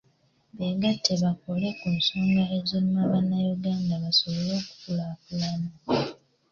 Beegatte bakole ku nsonga eziruma bannayuganda, basobole okukulaakulana.